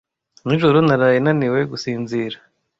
Nijoro naraye naniwe gusinzira